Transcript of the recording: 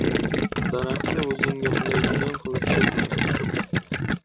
• Daraxtni o‘zingga qulaydigan qilib kesma.